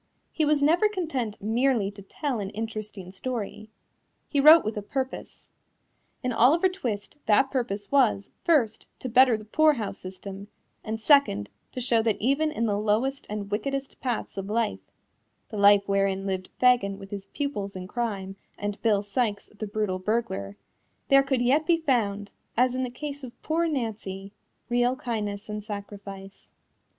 He was never content merely to tell an interesting story. He wrote with a purpose. In Oliver Twist that purpose was, first, to better the poorhouse system, and second, to show that even in the lowest and wickedest paths of life (the life wherein lived Fagin with his pupils in crime and Bill Sikes the brutal burglar) there could yet be found, as in the case of poor Nancy, real kindness and sacrifice.